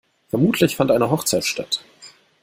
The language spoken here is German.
Vermutlich fand eine Hochzeit statt.